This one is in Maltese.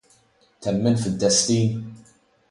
Temmen fid-destin?